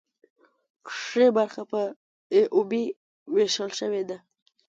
ښي برخه په ای او بي ویشل شوې ده.